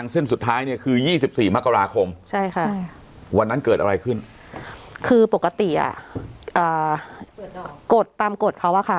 ใช่ค่ะวันนั้นเกิดอะไรขึ้นคือปกติอ่ะอ่ากฎตามกฎเขาว่าค่ะ